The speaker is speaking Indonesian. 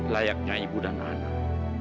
layaknya ibu dan anak